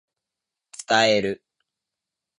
伝える